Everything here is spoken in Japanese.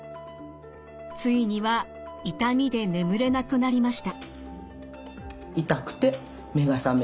ついには痛みで眠れなくなりました。